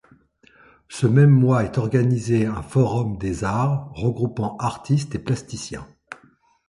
Ce même mois est organisé un forum des arts, regroupant artistes et plasticiens.